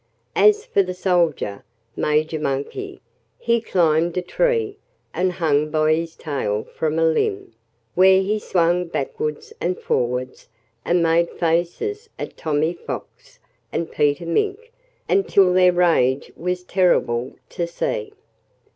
As for the soldier, Major Monkey, he climbed a tree and hung by his tail from a limb, where he swung backwards and forwards and made faces at Tommy Fox and Peter Mink until their rage was terrible to see.